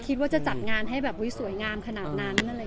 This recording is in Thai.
ก็ยังไม่ใช่งานแต่ง